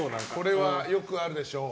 これはよくあるでしょう？